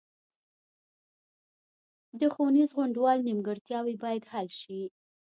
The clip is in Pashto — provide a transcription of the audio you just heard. د ښوونیز غونډال نیمګړتیاوې باید حل شي